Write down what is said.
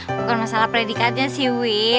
bukan masalah predikatnya sih wi